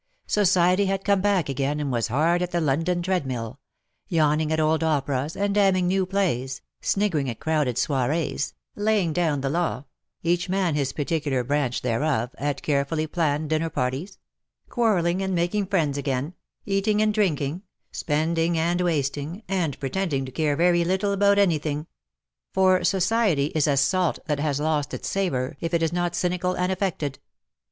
Society had come back again, and was hard at the London treadmill — yawning at old operas, and damning new plays — sniggering at crowded soirees — laying down the law_, each man his particular branch thereof^ at carefully planned dinner parties — quarrelling and making friends again — eating and drinking — spending and wasting, and pretending to care very little about anything; for society is as salt that has lost its savour if it is not cynical and affected.